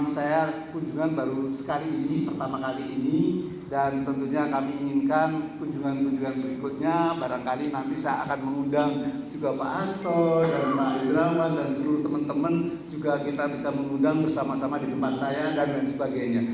saya mengundang bersama sama di tempat saya dan lain sebagainya